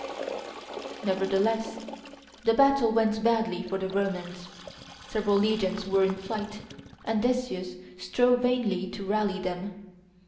Nevertheless the battle went badly for the Romans; several legions were in flight, and Decius strove vainly to rally them.